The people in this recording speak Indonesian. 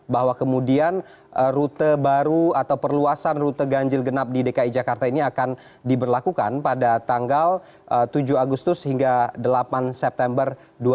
bahwa kemudian rute baru atau perluasan rute ganjil genap di dki jakarta ini akan diberlakukan pada tanggal tujuh agustus hingga delapan september dua ribu dua puluh